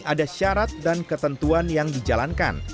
ada syarat dan ketentuan yang dijalankan